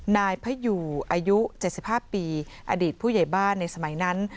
นายพยูอายุ๗๕ปีอดีตผู้ใหญ่บ้านในสมัยนั้น